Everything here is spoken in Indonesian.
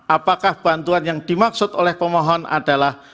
apakah bantuan yang dimaksud oleh pemohon adalah